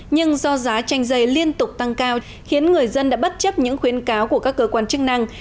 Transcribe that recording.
nhưng do giá chanh dây liên tục tăng cao khiến người dân đã bất chấp những khuyến cáo của các cơ quan chức năng